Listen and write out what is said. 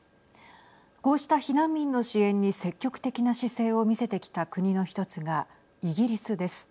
こうした避難民の支援に積極的な姿勢を見せてきた国の１つがイギリスです。